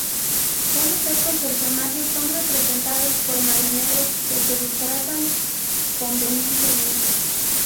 Todos estos personajes son representados por marineros que se disfrazan convenientemente.